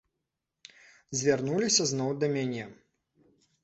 Звярнуліся зноў да мяне.